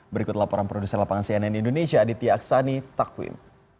berikut laporan produser lapangan cnn indonesia aditya aksani takwim